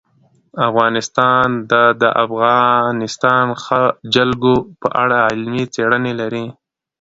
افغانستان د د افغانستان جلکو په اړه علمي څېړنې لري.